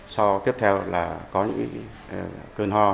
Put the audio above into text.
so tiếp theo là có những cơn ho